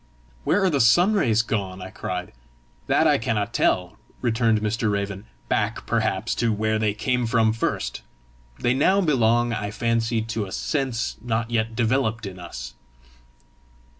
"Where are the sunrays gone?" I cried. "That I cannot tell," returned Mr. Raven; " back, perhaps, to where they came from first. They now belong, I fancy, to a sense not yet developed in us."